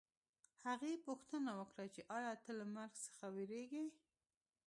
هغې پوښتنه وکړه چې ایا ته له مرګ څخه وېرېږې